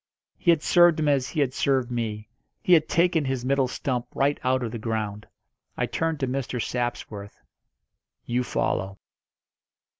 He had served him as he had served me he had taken his middle stump right out of the ground. I turned to Mr. Sapsworth. "You follow."